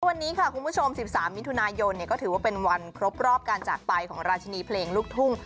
วันนี้ค่ะคุณผู้ชม๑๓มิถุนายนก็ถือว่าเป็นวันครบรอบการจากไปของราชินีเพลงลูกทุ่ง